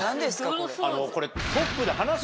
これ。